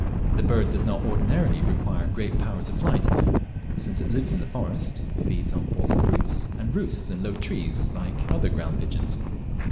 The bird does not ordinarily require great powers of flight, since it lives in the forest, feeds on fallen fruits, and roosts in low trees like other ground pigeons.